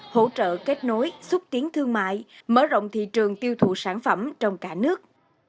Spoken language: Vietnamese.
hỗ trợ kết nối xúc tiến thương mại mở rộng thị trường tiêu thụ sản phẩm trong cả nước